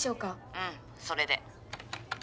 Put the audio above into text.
うんそれで。